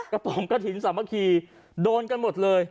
ป๋องกระถิ่นสามัคคีโดนกันหมดเลย